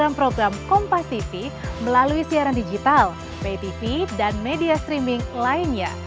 program program kompas tv melalui siaran digital pay tv dan media streaming lainnya